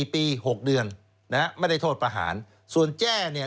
ปี๖เดือนนะฮะไม่ได้โทษประหารส่วนแจ้เนี่ย